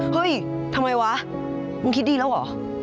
เฮ้ยทำไมวะมึงคิดดีแล้วเหรอ